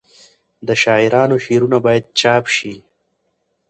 د شاعرانو شعرونه باید چاپ سي.